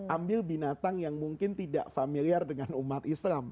ambil binatang yang mungkin tidak familiar dengan umat islam